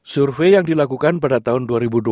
survei yang dilakukan pada tahun dua ribu dua puluh